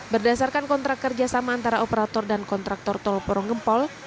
berdasarkan kontrak kerjasama antara operator dan kontraktor tol poronggempol